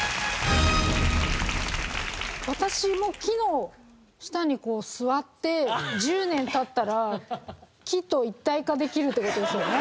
私も木の下に座って１０年経ったら木と一体化できるって事ですよね？